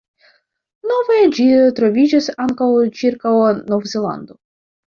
Nove ĝi troviĝas ankaŭ cirkaŭ Nov-Zelando.